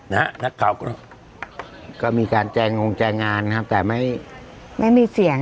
นักข่าวก็ก็มีการแจงงแจงงานนะครับแต่ไม่ไม่มีเสียง